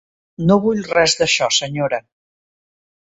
No vull res d'això, senyora.